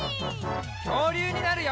きょうりゅうになるよ！